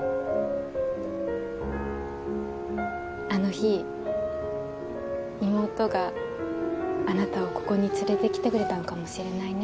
あの日妹があなたをここに連れてきてくれたのかもしれないね。